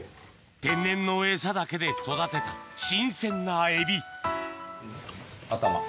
天然のエサだけで育てた新鮮なエビ頭。